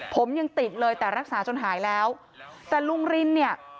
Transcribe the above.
ผมยังติดเลยแต่รักษาจนหายแล้วแต่ลุงรินเนี่ย